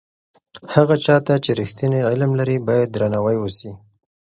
هغه چا ته چې رښتینی علم لري باید درناوی وسي.